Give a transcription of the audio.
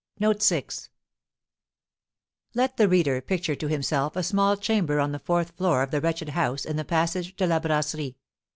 Let the reader picture to himself a small chamber on the fourth floor of the wretched house in the Passage de la Brasserie.